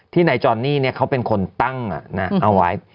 ที่ไหนจอนนี่เนี่ยเขาเป็นคนตั้งอ่ะนะเอาไว้